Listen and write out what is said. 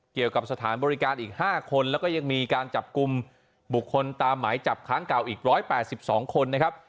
เกี่ยวกับสถานบริการอีก๕คนแล้วก็ยังมีการจับกลุ่มบุคคลตามหมายจับค้างเก่าอีก๑๘๒คนนะครับ